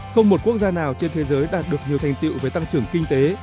không một quốc gia nào trên thế giới đạt được nhiều thành tựu với tăng trưởng kinh tế